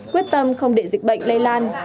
quyết tâm không để dịch bệnh lây lan